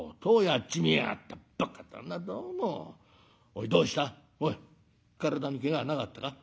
おいどうしたおい体にけがはなかったか？